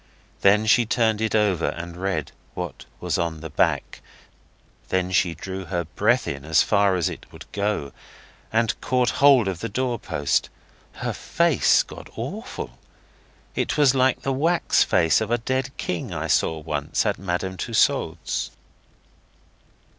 Then she turned it over and read what was on the back. Then she drew her breath in as far as it would go, and caught hold of the door post. Her face got awful. It was like the wax face of a dead king I saw once at Madame Tussaud's.